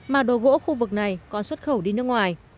mà đồ gỗ khu vực này còn xuất khẩu đi nước ngoài